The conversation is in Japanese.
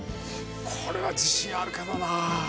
これは自信あるけどな。